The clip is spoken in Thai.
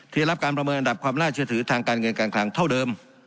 ได้รับการประเมินอันดับความน่าเชื่อถือทางการเงินการคลังเท่าเดิม